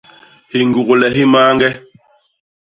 Hiñgugle hi mañge.